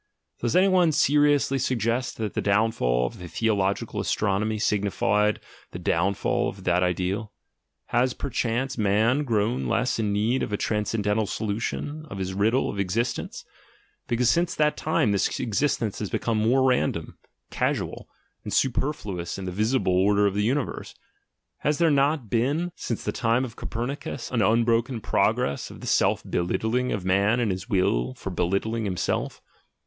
Does any one seriously suggest that the downfall of the theologi cal astronomy signified the downfall of that ideal? — Has, perchance, man grown less in need of a transcendental so lution of his riddle of existence, because since that time this existence has become more random, casual, and superflu ous in the visible order of the universe? Has there not been since the time of Copernicus an unbroken progress in the self belittling of man and his will for belittling him self?